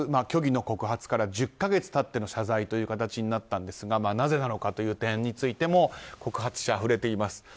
虚偽の告発から１０か月経っての謝罪となったんですがなぜなのかという点についても告発者は触れています。